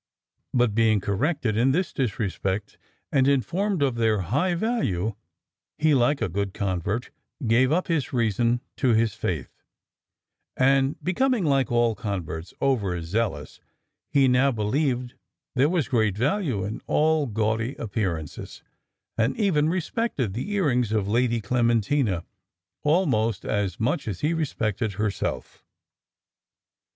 But being corrected in this disrespect, and informed of their high value, he, like a good convert, gave up his reason to his faith; and becoming, like all converts, over zealous, he now believed there was great worth in all gaudy appearances, and even respected the earrings of Lady Clementina almost as much as he respected herself.